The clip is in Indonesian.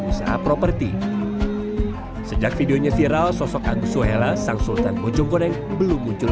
usaha properti sejak videonya viral sosok agus suhela sang sultan bojongkoneng belum muncul